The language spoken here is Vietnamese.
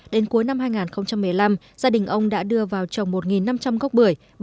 đến cuối năm hai nghìn một mươi năm gia đình ông đã đưa vào trồng một năm trăm linh gốc bưởi